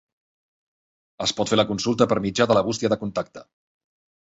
Es pot fer la consulta per mitjà de la bústia de contacte.